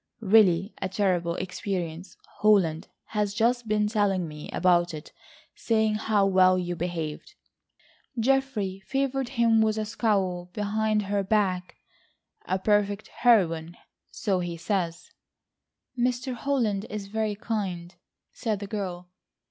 Really a terrible experience. Holland has just been telling me about it—saying how well you behaved," (Geoffrey favoured him with a scowl behind her back), "a perfect heroine,—so he says." "Mr. Holland is very kind," said the girl.